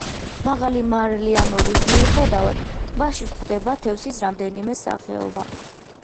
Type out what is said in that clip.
მაღალი მარილიანობის მიუხედავად ტბაში გვხვდება თევზის რამდენიმე სახეობა.